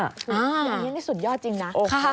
อันนี้นี่สุดยอดจริงนะค่ะ